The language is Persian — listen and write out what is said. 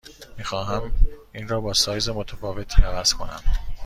می خواهم این را با سایز متفاوتی عوض کنم.